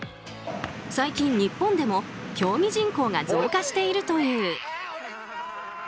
最近、日本でも競技人口が増加しているという。